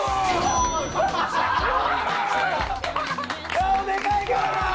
顔でかいからだ！